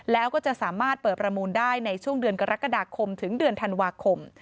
แล้วก็จะสามารถเปิดประมูลได้ในช่วงเดือนกรกฎาคมถึงเดือนธันวาคม